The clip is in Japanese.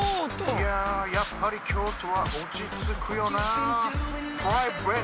いややっぱり京都は落ち着くよなぁ。